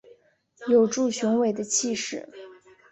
有著雄伟的气势